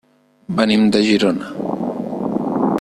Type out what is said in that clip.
Venim de Girona.